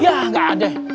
yah gak ada